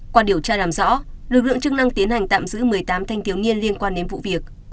qua điều tra làm rõ lực lượng chức năng tiến hành tạm giữ một mươi tám thanh thiếu niên liên quan đến vụ việc